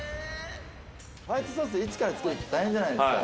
ホワイトソース、１から作ると大変じゃないですか。